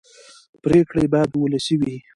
پرېکړې باید ولسي وي